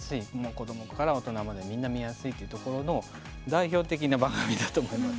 子どもから大人までみんな見やすいというところの代表的な番組だと思います。